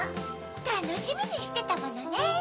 たのしみにしてたものね。